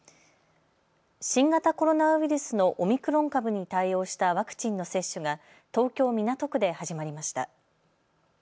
新型コロナウイルスのオミクロン株に対応したワクチンの接種が東京港区で始まりました。